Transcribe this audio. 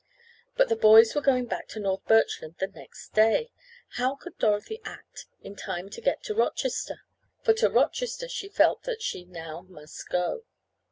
But the boys were going back to North Birchland the next day! How could Dorothy act in time to get to Rochester? For to Rochester she felt that she now must go.